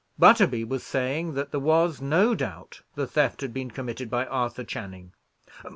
Butterby was saying that there was no doubt the theft had been committed by Arthur Channing.